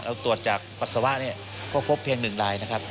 ตรวจจากปัสสาวะเนี่ยก็พบเพียง๑ลายนะครับ